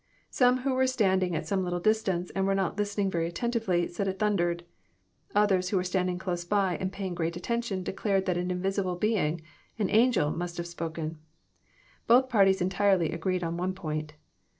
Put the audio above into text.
Some, who were standing at some little distance, and were not listen ing very attentively, said it thundered. Others, who were ptanding close by, and paying great attention, declared that an invisible being, an angel, must have spoken. Both parties en tirely agreed on one point.